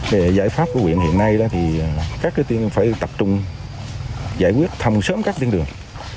về giải pháp của quyện hiện nay thì các tiên phải tập trung giải quyết thăm sớm các tiên đường